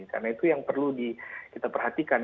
karena itu yang perlu kita perhatikan